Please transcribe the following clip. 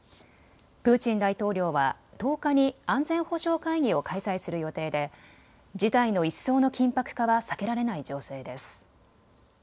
プーチン大統領は１０日に安全保障会議を開催する予定で事態の一層の緊迫化は避けられない情勢です。